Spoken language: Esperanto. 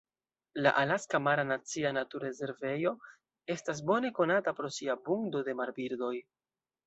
La Alaska Mara Nacia Naturrezervejo estas bone konata pro sia abundo de marbirdoj.